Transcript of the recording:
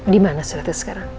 dimana suratnya sekarang